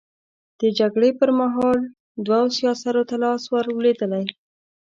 د جګړې پر مهال دوو سياسرو ته لاس ور لوېدلی.